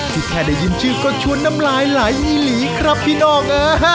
แค่ได้ยินชื่อก็ชวนน้ำลายไหลอีหลีครับพี่น้อง